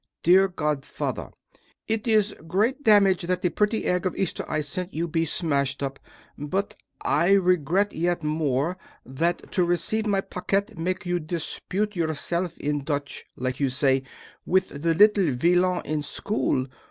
Dear Godfather: It is great damage that the pretty egg of Easter I sent you be smasht up! But I regret yet more that to receive my paquet make you dispute yourself in dutch, like you say, with the little villain in school.